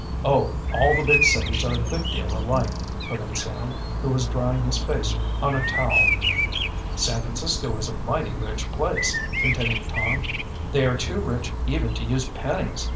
"Oh, all the big cities are a good deal alike," put in Sam, who was drying his face on a towel. "San Francisco is a mighty rich place," continued Tom. "They are too rich even to use pennies.